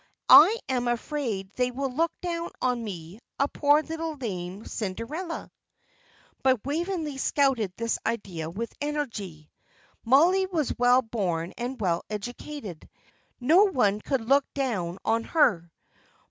"I am afraid they will look down on me, a poor little lame Cinderella." But Waveney scouted this idea with energy. Mollie was well born and well educated; no one could look down on her.